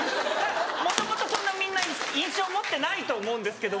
もともとそんなみんな印象持ってないと思うんですけども。